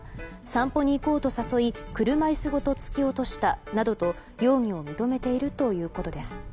散歩に行こうと誘い車椅子ごと突き落としたと容疑を認めているということです。